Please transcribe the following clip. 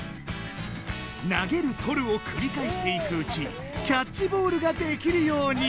投げるとるをくりかえしていくうちキャッチボールができるように。